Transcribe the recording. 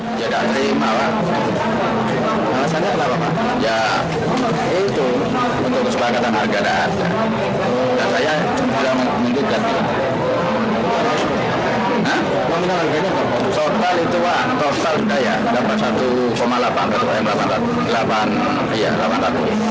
total itu lah total sudah ya dapat satu delapan